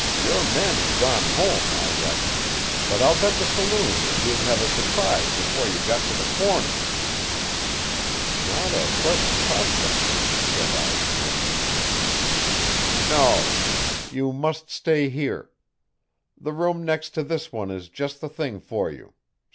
Your men have gone home, I reckon, but I'll bet the saloon that you'd have a surprise before you got to the corner." "Not a pleasant prospect," said I grimly. "No. You must stay here. The room next to this one is just the thing for you.